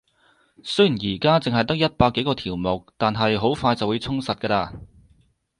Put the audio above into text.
雖然而家淨係得一百幾個條目，但係好快就會充實㗎喇